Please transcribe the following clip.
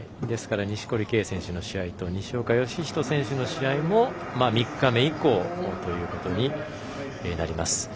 錦織圭選手の試合と西岡良仁選手の試合も３日目以降ということになります。